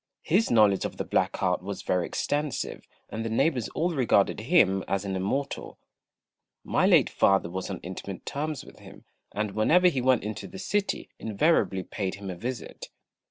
His knowledge of the black art was very extensive, and the neighbours all regarded him as an Immortal. My late father was on intimate terms with him, and whenever he went into the city invariably paid him a visit.